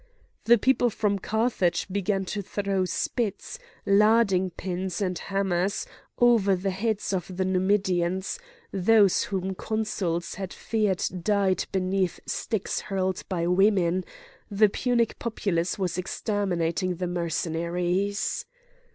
The people from Carthage began to throw spits, larding pins and hammers, over the heads of the Numidians; those whom consuls had feared died beneath sticks hurled by women; the Punic populace was exterminating the Mercenaries.